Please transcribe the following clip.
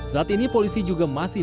saat ini polisi juga masih